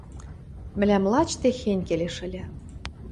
— Мӹлӓм лач техень келеш ыльы!